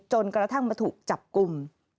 จนกระทั่งมาถูกจับกลุ่ม